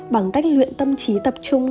bằng cách luyện tâm trí tập trung